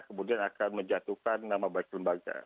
kemudian akan menjatuhkan nama baik lembaga